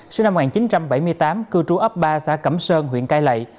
sinh năm một nghìn chín trăm bảy mươi tám cư trú ấp ba xã cẩm sơn huyện cai lệ